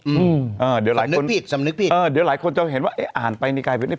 อืมสำนึกผิดสำนึกผิดเดี๋ยวหลายคนจะเห็นว่าอ่านไปในกายพิวเงียบ